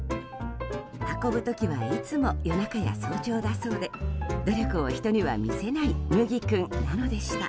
運ぶ時はいつも夜中や早朝だそうで努力を人には見せないむぎ君なのでした。